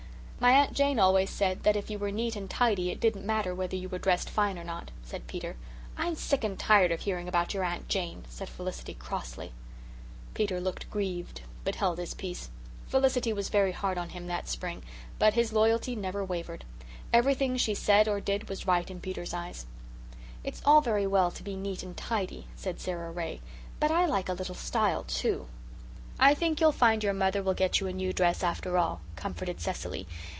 "My Aunt Jane always said that if you were neat and tidy it didn't matter whether you were dressed fine or not," said Peter. "I'm sick and tired of hearing about your Aunt Jane," said Felicity crossly. Peter looked grieved but held his peace. Felicity was very hard on him that spring, but his loyalty never wavered. Everything she said or did was right in Peter's eyes. "It's all very well to be neat and tidy," said Sara Ray, "but I like a little style too." "I think you'll find your mother will get you a new dress after all," comforted Cecily.